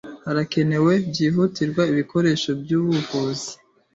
Harakenewe byihutirwa ibikoresho byubuvuzi.